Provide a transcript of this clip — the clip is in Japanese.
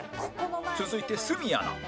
続いて鷲見アナ